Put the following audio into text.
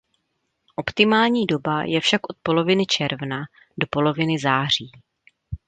Optimální doba je však od poloviny června do poloviny září.